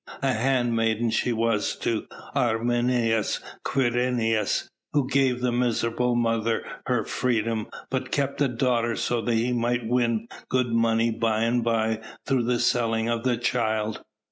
A hand maiden she was to Arminius Quirinius, who gave the miserable mother her freedom but kept the daughter so that he might win good money by and by through the selling of the child.